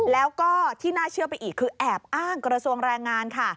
แล้วก็ที่น่าเชื่อไปอีกคือแอบอ้างกระทรวงแรงงานค่ะ